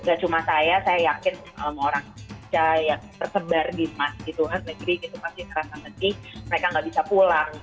nggak cuma saya saya yakin orang tua yang tersebar di masjid tuhan negeri itu pasti ngerasa ngeji mereka nggak bisa pulang